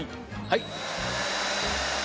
はい。